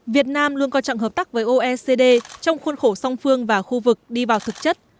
việt nam luôn quan trọng hợp tác với oecd trong khuôn khổ song phương và khu vực đi vào thực chất